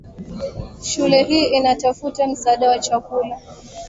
Shule hii inatafuta msaada wa chakula.